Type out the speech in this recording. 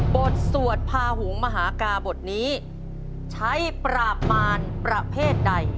สวดพาหุงมหากาบทนี้ใช้ปราบมารประเภทใด